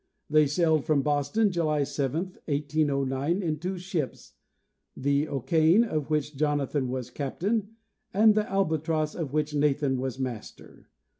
They sailed from Boston July 7, 1809, in two ships, the O'Kain, of which Jonathan was captain, and the Albatross, of which Nathan was master.